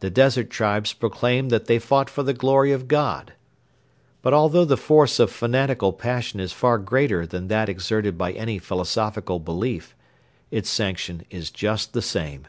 The desert tribes proclaimed that they fought for the glory of God. But although the force of fanatical passion is far greater than that exerted by any philosophical belief, its sanction is just the same.